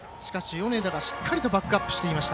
米田がしっかりとバックアップしていました。